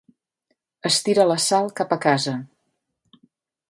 Estira la Sal cap a casa.